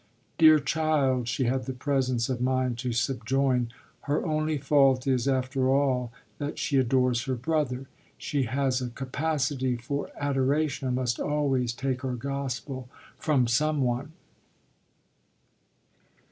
"Dear child," she had the presence of mind to subjoin, "her only fault is after all that she adores her brother. She has a capacity for adoration and must always take her gospel from some one."